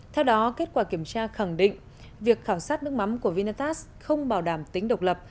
theo đó kết quả kiểm tra khẳng định việc khảo sát nước mắm của vinatax không bảo đảm tính độc lập